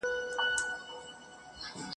ستا په مالت کي مي خپل سیوري ته خجل نه یمه !.